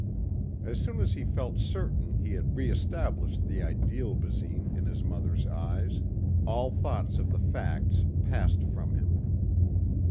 As soon as he felt certain he had re established the ideal Basine in his mother's eyes, all thoughts of the facts passed from him.